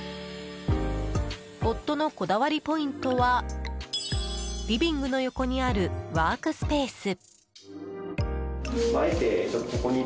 夫のこだわりポイントはリビングの横にあるワークスペース。